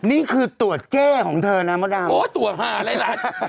นี่คือตัวเจ๊ของเธอนะมดดำโอ้ตรวจหาอะไรล่ะ